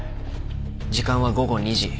時間は午後２時。